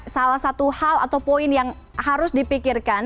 salah satu hal atau poin yang harus dipikirkan